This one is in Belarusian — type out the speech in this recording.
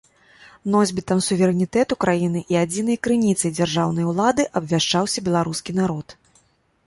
Носьбітам суверэнітэту краіны і адзінай крыніцай дзяржаўнай улады абвяшчаўся беларускі народ.